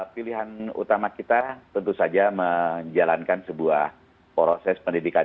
pilihan utama kita tentu saja menjalankan sebuah proses pendidikan